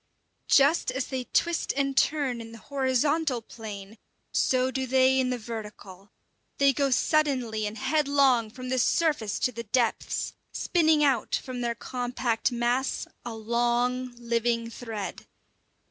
Just as they twist and turn in the horizontal plane, so do they in the vertical. They go suddenly and headlong from the surface to the depths, spinning out from their compact mass a long, living thread.